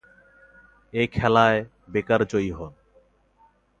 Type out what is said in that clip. এই খেলায় বেকার জয়ী হন।